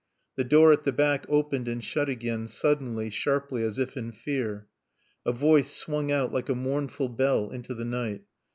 The door at the back opened and shut again, suddenly, sharply, as if in fear. A voice swung out like a mournful bell into the night.